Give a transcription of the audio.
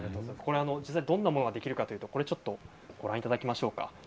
どんなものができるかというと、ご覧いただきましょうか。